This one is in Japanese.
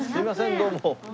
どうも。